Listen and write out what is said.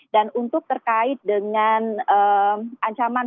dan untuk terkait dengan